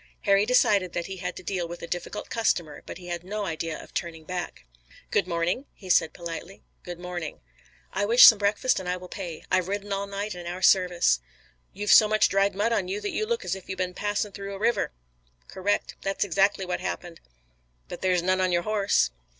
Harry decided that he had to deal with a difficult customer but he had no idea of turning back. "Good morning," he said politely. "Good morning." "I wish some breakfast and I will pay. I've ridden all night in our service." "You've so much dried mud on you that you look as if you'd been passin' through a river." "Correct. That's exactly what happened." "But there's none on your horse."